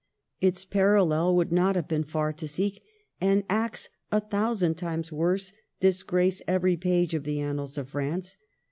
Its parallel would not have been far to seek, and acts a thou sand times worse disgrace every page of the annals of France.